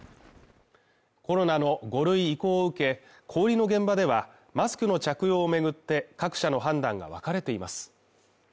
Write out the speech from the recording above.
コロナの５類移行を受け、小売りの現場ではマスクの着用を巡って、各社の判断が分かれています。